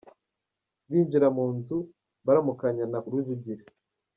Binjira mu nzu baramukanya na Rujugira.